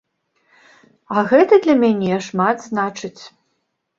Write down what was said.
А гэта для мяне шмат значыць.